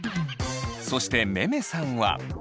そしてめめさんは。